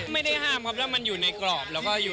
ไม่ได้ห้ามครับถ้ามันอยู่ในกรอบ